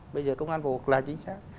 bây giờ công an vào cuộc là chính xác